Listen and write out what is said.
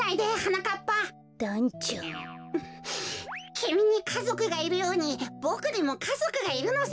きみにかぞくがいるようにボクにもかぞくがいるのさ。